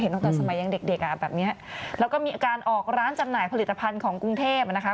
ตั้งแต่สมัยยังเด็กเด็กอ่ะแบบนี้แล้วก็มีการออกร้านจำหน่ายผลิตภัณฑ์ของกรุงเทพนะคะ